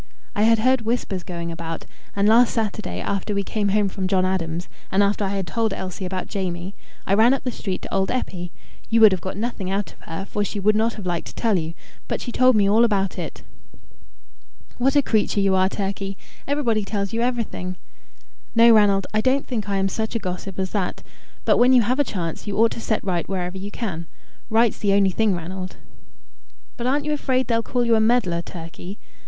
I had heard whispers going about; and last Saturday, after we came home from John Adam's, and after I had told Elsie about Jamie, I ran up the street to old Eppie. You would have got nothing out of her, for she would not have liked to tell you; but she told me all about it." "What a creature you are, Turkey! Everybody tells you everything." "No, Ranald; I don't think I am such a gossip as that. But when you have a chance, you ought to set right whatever you can. Right's the only thing, Ranald." "But aren't you afraid they'll call you a meddler, Turkey?